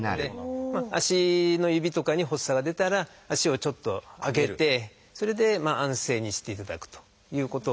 足の指とかに発作が出たら足をちょっと上げてそれで安静にしていただくということ。